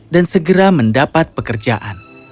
dan segera mendapat pekerjaan